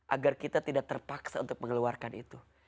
agar kita tidak terpaksa untuk mengeluarkan itu